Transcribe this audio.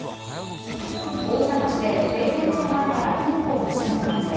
大阪市で閉店後のバーから金庫を盗んだ男性。